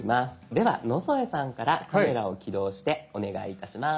では野添さんから「カメラ」を起動してお願いいたします。